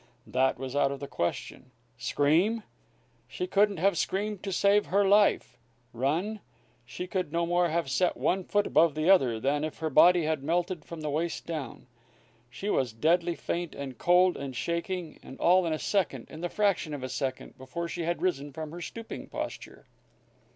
That was out of the question. Scream? She couldn't have screamed to save her life. Run? She could no more have set one foot before the other, than if her body had melted from the waist down. She was deadly faint and cold and shaking, and all in a second, in the fraction of a second, before she had risen from her stooping posture.